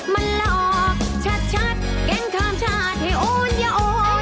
มันหลอกชัดกินข้ามชาติให้โอนอย่าโอน